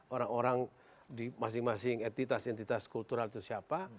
orang orang di masing masing entitas entitas kultural itu siapa